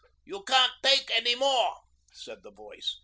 'You can't take any more,' said the voice.